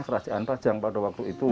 kerajaan rajang pada waktu itu